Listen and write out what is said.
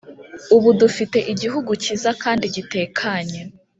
ubu dufite Igihugu kiza kandi gitekanye